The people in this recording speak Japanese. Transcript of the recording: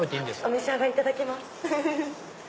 お召し上がりいただけます。